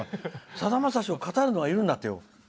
さだまさしをかたるのがいるんだってよ。